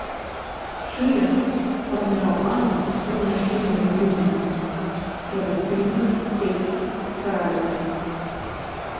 Шыя сфарміравана ў форме шыйнай грыўні, традыцыйных кельцкіх караляў.